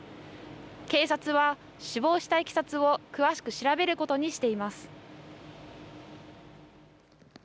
警察は死亡したいきさつを詳しく調べることにしています。